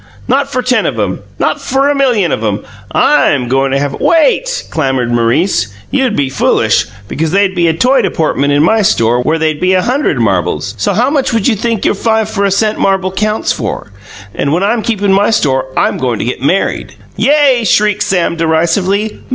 "Not for ten of 'em; not for a million of 'em! I'm goin' to have " "Wait!" clamoured Maurice. "You'd be foolish, because they'd be a toy deportment in my store where they'd be a hunderd marbles! So, how much would you think your five for a cent marble counts for? And when I'm keepin' my store I'm goin' to get married." "Yay!" shrieked Sam derisively.